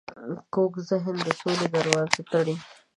کوږ ذهن د سولې دروازه تړي